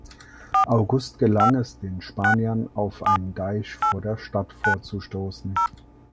August gelang es den Spaniern auf einen Deich vor der Stadt vorzustoßen.